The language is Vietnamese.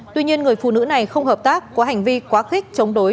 tuy nhiên người phụ nữ này không hợp tác có hành vi quá khích chống đối